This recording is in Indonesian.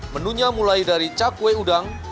menunya mulai dari cakwe udang